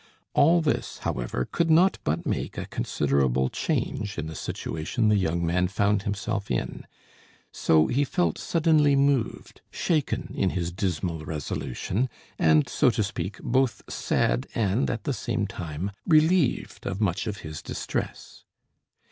All this, however, could not but make a considerable change in the situation the young man found himself in; so he felt suddenly moved shaken in his dismal resolution, and, so to speak, both sad and, at the same time, relieved of much of his distress.